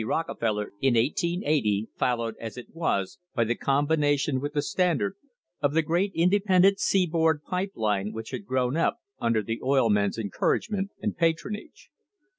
Rockefeller in 1880, followed, as it was, by the combination with the Standard of the great independent seaboard pipe line which had grown up under the oil men's encouragement and patronage.